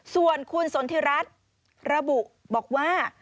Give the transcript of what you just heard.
ส่วนคุณสนทิรัฐระบุบอกว่า